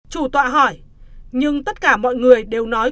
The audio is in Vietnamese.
chủ tọa hỏi nhưng tất cả mọi người đều nói